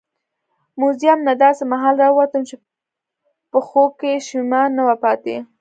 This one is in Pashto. موزیم نه داسې مهال راووتم چې پښو کې شیمه نه وه پاتې.